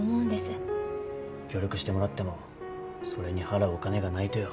協力してもらってもそれに払うお金がないとよ。